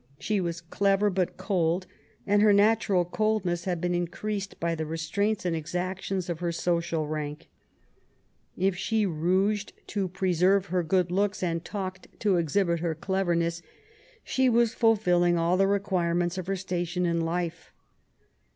She was clever but cold, and her natural coldness had been increased by the restraints and exactions of her social rank. If «he rouged to preserve her good looks, and talked to exhibit her cleverness, she was fulfilling all the re quirements of her station in life.